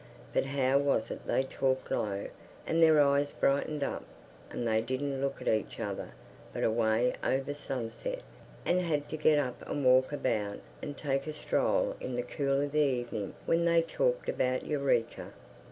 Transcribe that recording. But how was it they talked low, and their eyes brightened up, and they didn't look at each other, but away over sunset, and had to get up and walk about, and take a stroll in the cool of the evening when they talked about Eureka?